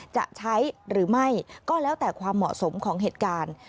จะใช้หรือไม่ก็แล้วแต่ความเหมาะสมของเหตุการณ์